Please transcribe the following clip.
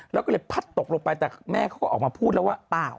แล้วก็เลยพัดตกลงไปแต่แม่เขาก็ออกมาพูดแล้วว่าเปล่า